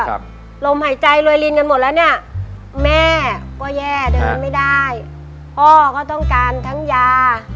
ลมหายใจรวยลินกันหมดแล้วเนี่ยแม่ก็แย่เดินไม่ได้พ่อก็ต้องการทั้งยา